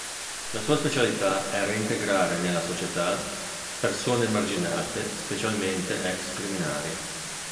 La sua specialità è reintegrare nella società persone emarginate, specialmente ex criminali.